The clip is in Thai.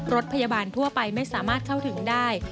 รถพยาบาลทั่วไปไม่สามารถเข้าถึงได้